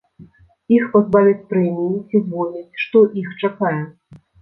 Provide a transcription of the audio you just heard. Іх пазбавяць прэміі ці звольняць, што іх чакае?